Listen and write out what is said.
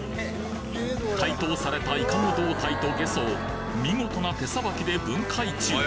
解凍されたイカの胴体とゲソを見事な手さばきで分解中